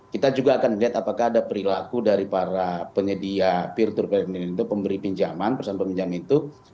kita juga akan lihat apakah ada perilaku dari para penyedia peer to peer itu pemberi pinjaman persoalan peminjam itu